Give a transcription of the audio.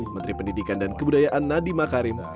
menteri pendidikan dan kebudayaan nadiem makarim